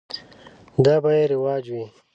دا به یې رواج وي.